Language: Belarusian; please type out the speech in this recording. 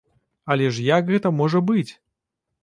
Але ж як гэта можа быць?